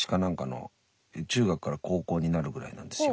中学から高校になるぐらいなんですよ。